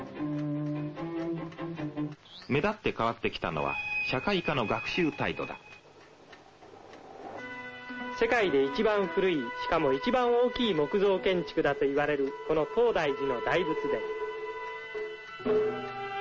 目立って変わってきたのは社会科の学習態度だ世界で一番古いしかも一番大きい木造建築だといわれるこの東大寺の大仏殿